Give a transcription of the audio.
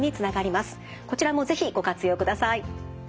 こちらも是非ご活用ください。